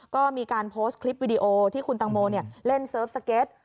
ก็มีการโพสต์คลิปวิดีโอที่คุณตังโมเล่นเซิร์ฟสเก็ต